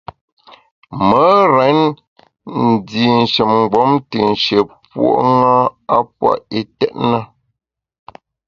Me rén ndi shin mgbom te nshié puo’ ṅa a pua’ itèt na.